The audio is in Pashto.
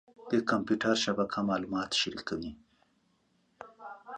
د کمپیوټر شبکه معلومات شریکوي.